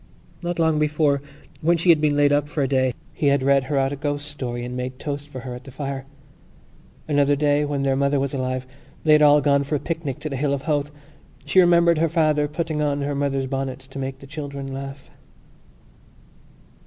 Not long before, when she had been laid up for a day, he had read her out a ghost story and made toast for her at the fire. Another day, when their mother was alive, they had all gone for a picnic to the Hill of Howth. She remembered her father putting on her mother's bonnet to make the children laugh.